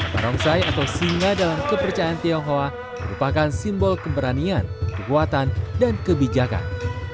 barongsai atau singa dalam kepercayaan tionghoa merupakan simbol keberanian kekuatan dan kebijakan